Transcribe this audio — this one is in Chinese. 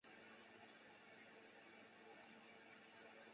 回文素数是一个既是素数又是回文数的整数。